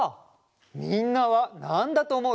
みんなはなんだとおもう？